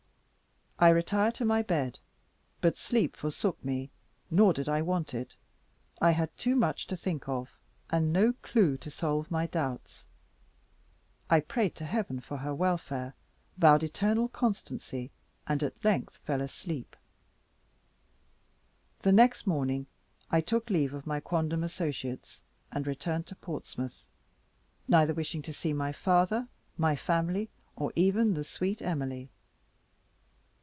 I retired to my bed; but sleep forsook me, nor did I want it. I had too much to think of, and no clue to solve my doubts. I prayed to Heaven for her welfare, vowed eternal constancy, and at length fell asleep. The next morning I took leave of my quondam associates, and returned to Portsmouth, neither wishing to see my father, my family, or even the sweet Emily.